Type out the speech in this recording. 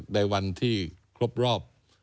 ในวันที่ครบรอบ